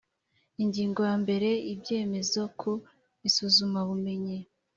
ingingo ya mbere ibyemezo ku isuzumabumenyi